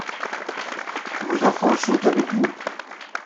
Vos enfants sont avec vous ?